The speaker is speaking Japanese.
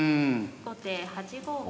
後手８五桂。